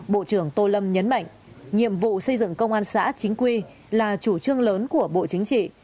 bộ trưởng tô lâm nhấn mạnh nhiệm vụ xây dựng công an xã chính quy là chủ trương lớn của bộ chính trị